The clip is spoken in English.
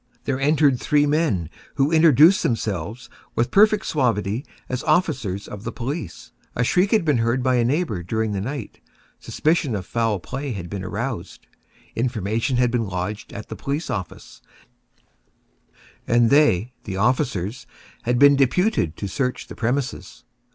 There entered three men, who introduced themselves, with perfect suavity, as officers of the police. A shriek had been heard by a neighbour during the night; suspicion of foul play had been aroused; information had been lodged at the police office, and they (the officers) had been deputed to search the premises.